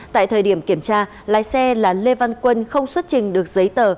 tại thời điểm kiểm tra lái xe là lê văn quân không xuất trình được giấy tờ